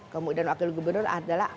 kemudian wakil gubernur adalah